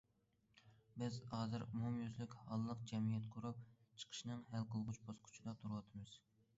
بىز ھازىر ئومۇميۈزلۈك ھاللىق جەمئىيەت قۇرۇپ چىقىشنىڭ ھەل قىلغۇچ باسقۇچىدا تۇرۇۋاتىمىز.